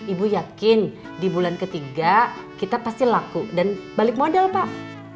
ibu yakin di bulan ketiga kita pasti laku dan balik modal pak